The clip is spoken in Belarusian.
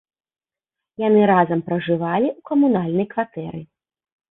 Яны разам пражывалі ў камунальнай кватэры.